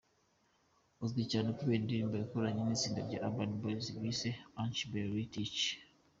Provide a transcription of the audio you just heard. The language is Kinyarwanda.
Azwi cyane kubera indirimbo yakoranye n’itsinda rya Urban Boys bise ’Ich liebe dich’.